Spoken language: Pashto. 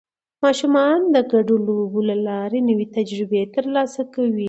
ماشومان د ګډو لوبو له لارې نوې تجربې ترلاسه کوي